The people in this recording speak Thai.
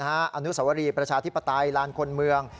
อนุสวรีประชาธิปไตยลานคนเมือง